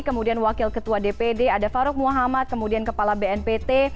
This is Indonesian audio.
kemudian wakil ketua dpd ada farouk muhammad kemudian kepala bnpt